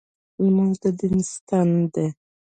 لمونځ د دین ستن ده.